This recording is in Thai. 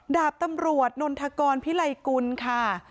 ดาบตำรวจนนทกรพิไลกุลค่ะ